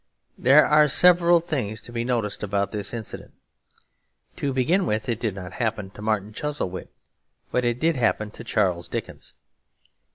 There are several things to be noticed about this incident. To begin with, it did not happen to Martin Chuzzlewit; but it did happen to Charles Dickens.